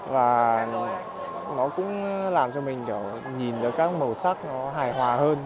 và nó cũng làm cho mình nhìn được các màu sắc nó hài hòa hơn